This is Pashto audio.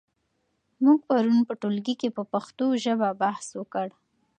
موږ پرون په ټولګي کې په پښتو ژبه بحث وکړ.